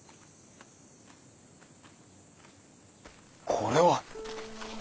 これは！？